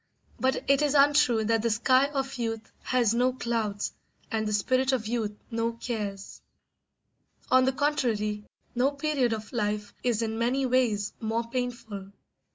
But it is untrue that the sky of youth has no clouds and the spirit of youth no cares; on the contrary, no period of life is in many ways more painful.